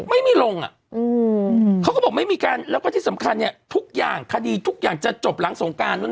ไม่มีลงอ่ะอืมเขาก็บอกไม่มีการแล้วก็ที่สำคัญเนี่ยทุกอย่างคดีทุกอย่างจะจบหลังสงการนู้น